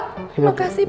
terima kasih pak